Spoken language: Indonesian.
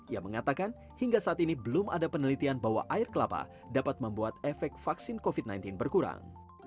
ia mengatakan hingga saat ini belum ada penelitian bahwa air kelapa dapat membuat efek vaksin covid sembilan belas berkurang